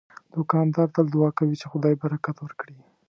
دوکاندار تل دعا کوي چې خدای برکت ورکړي.